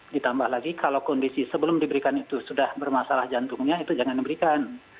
ditambah lagi kalau kondisi sebelum diberikan itu sudah bermasalah jantungnya itu jangan diberikan